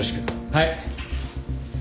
はい。